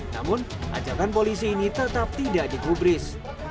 namun ajakan polisi ini tetap tidak digubris